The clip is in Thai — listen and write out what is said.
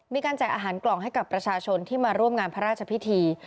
แจกอาหารกล่องให้กับประชาชนที่มาร่วมงานพระราชพิธี